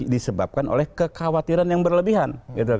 disebabkan oleh kekhawatiran yang berlebihan